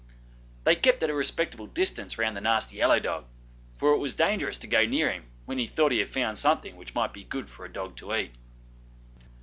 They kept at a respectable distance round the nasty yellow dog, for it was dangerous to go near him when he thought he had found something which might be good for a dog to eat.